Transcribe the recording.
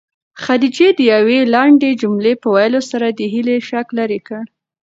خدیجې د یوې لنډې جملې په ویلو سره د هیلې شک لیرې کړ.